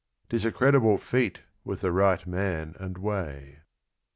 'T is a credible feat With the right man and way."